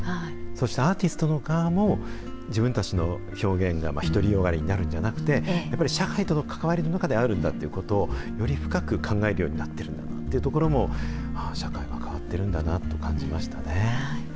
そしてアーティストの側も、自分たちの表現が独りよがりになるんじゃなくて、やっぱり社会との関わりの中であるんだということを、より深く考えるようになっているというところも、ああ、社会は変わってるんだなと感じましたね。